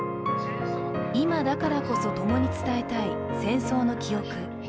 今だからこそ共に伝えたい戦争の記憶。